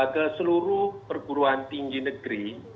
ke seluruh perguruan tinggi negeri